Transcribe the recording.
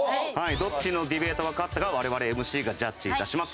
どっちのディベートが勝ったか我々ＭＣがジャッジいたします。